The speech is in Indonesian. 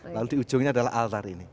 lalu di ujungnya adalah altar ini